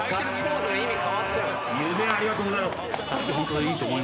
夢をありがとうございます。